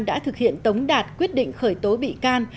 đã thực hiện tống đạt quyết định khởi tố bị can